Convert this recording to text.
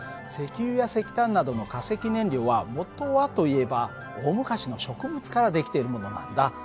石油や石炭などの化石燃料はもとはといえば大昔の植物から出来ているものなんだ。